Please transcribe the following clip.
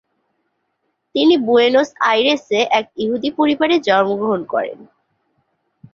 তিনি বুয়েনোস আইরেসে এক ইহুদি পরিবারে জন্মগ্রহণ করেন।